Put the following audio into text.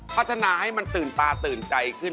พัฒนาให้มันตื่นตาตื่นใจขึ้น